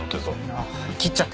ああ切っちゃって。